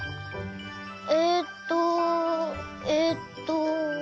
えっとえっと。